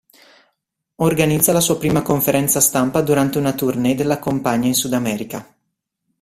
Organizza la sua prima conferenza stampa durante una tournée della compagna in Sud America.